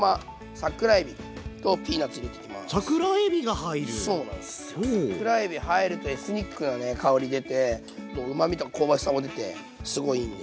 桜えび入るとエスニックなね香り出てもううまみとか香ばしさも出てすごいいいんで。